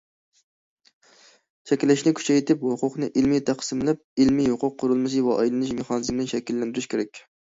چەكلەشنى كۈچەيتىپ، ھوقۇقنى ئىلمىي تەقسىملەپ، ئىلمىي ھوقۇق قۇرۇلمىسى ۋە ئايلىنىش مېخانىزمىنى شەكىللەندۈرۈش كېرەك.